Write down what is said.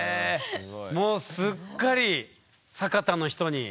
もうすっかり酒田の人に。